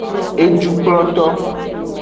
Ejukploto.